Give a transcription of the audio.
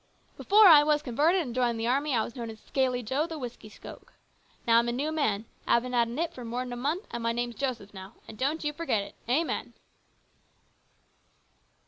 " Before I was converted and joined the army I was known as ' Scaly Joe, the whisky soak.' Now I'm a new man ; haven't had a nip for mor'n a month, and my name is Joseph now, and don't you forget it ! Amen